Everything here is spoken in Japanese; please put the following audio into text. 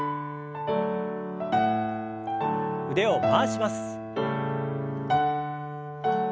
腕を回します。